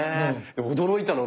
驚いたのが。